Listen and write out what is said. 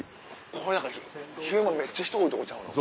ここ何か昼間めっちゃ人多いとこちゃうの？